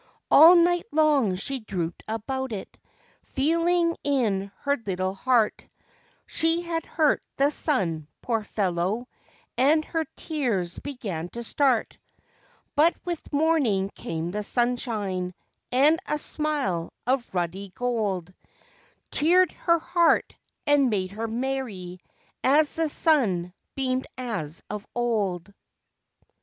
All night long she drooped about it, feel¬ ing in her little heart She had hurt the sun, poor fellow, and her tears began to start, .[ But with morning came the sunshine, and a smile of ruddy gold Cheered her heart, and made her merry as the sun beamed as of old.